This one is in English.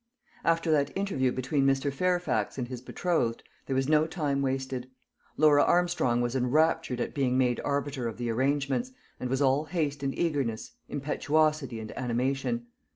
After that interview between Mr. Fairfax and his betrothed, there was no time wasted. Laura Armstrong was enraptured at being made arbiter of the arrangements, and was all haste and eagerness, impetuosity and animation.